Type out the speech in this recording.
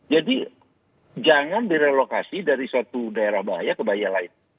jadi jangan direlokasi dari satu daerah bahaya ke bahaya lain